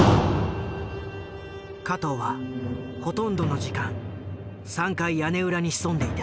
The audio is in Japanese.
加藤はほとんどの時間３階屋根裏に潜んでいた。